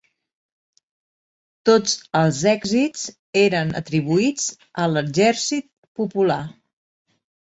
Tots els èxits eren atribuïts a l'Exèrcit Popular